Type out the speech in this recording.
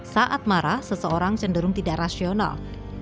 saat marah seseorang cenderung tidak rasional